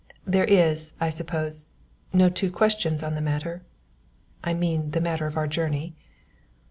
"There is, I suppose, no two questions on the matter I mean on the matter of our journey?"